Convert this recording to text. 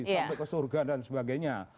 sampai ke surga dan sebagainya